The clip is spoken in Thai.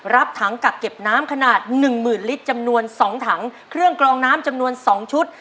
รับถังกักเก็บน้ำขนาด๑๐๐๐๐ลิตรจำนวน๒ถังเครื่องกลองน้ำจำนวน๒ชุด